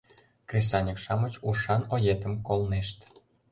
— Кресаньык-шамыч ушан оетым колнешт.